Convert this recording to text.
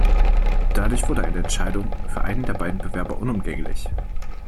Dadurch wurde eine Entscheidung für einen der beiden Bewerber unumgänglich.